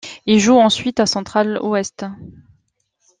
Il joue ensuite à Central Oeste.